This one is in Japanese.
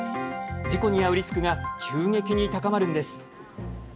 事故に遭うリスクが急激に高まるのです。